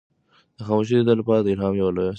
دا خاموشي د ده لپاره د الهام یوه لویه سرچینه وه.